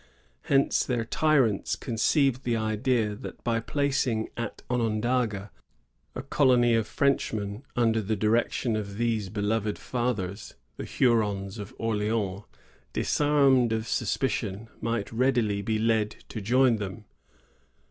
Hence their tyrants conceived the idea that by planting at Onondaga a colony of Frenchmen under the direction of these beloved fathers, the Hurons of Orleans, disarmed of suspicion, might readily be led to join them.